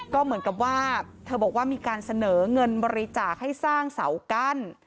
ก็เหมือนกับว่าเธอบอกว่ามีการเสนอเงินบริจาคให้สร้างเสากั้น